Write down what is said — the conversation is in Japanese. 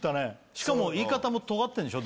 しかも言い方もトガってるんでしょ